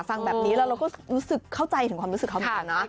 ฟังแบบนี้แล้วเราก็รู้สึกเข้าใจถึงความรู้สึกเขาเหมือนกันนะ